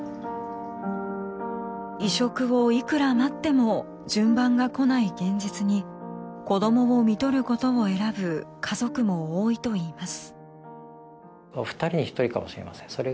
移植をいくら待っても順番がこない現実に子どもをみとることを選ぶ家族も多いといいます。